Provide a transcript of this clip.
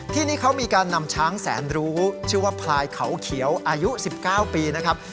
ที่นี่เขามีการนำช้างแสนรู้ชื่อว่าพลายเขาเขียวอายุ๑๙ปีนะครับ